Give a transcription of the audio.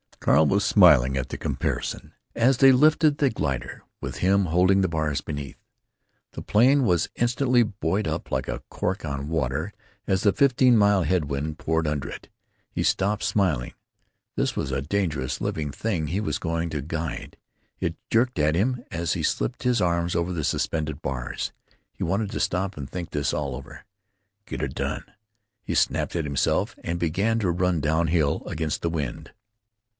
Carl was smiling at the comparison as they lifted the glider, with him holding the bars beneath. The plane was instantly buoyed up like a cork on water as the fifteen mile head wind poured under it. He stopped smiling. This was a dangerous living thing he was going to guide. It jerked at him as he slipped his arms over the suspended bars. He wanted to stop and think this all over. "Get it done!" he snapped at himself, and began to run down hill, against the wind.